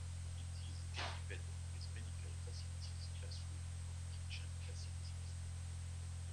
It is equipped with medical facilities, classrooms and kitchen facilities.